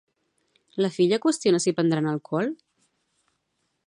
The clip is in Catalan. La filla qüestiona si prendran alcohol?